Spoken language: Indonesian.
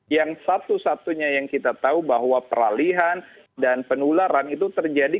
yang satu satunya yang kita tahu bahwa peralihan dan penularan itu terjadi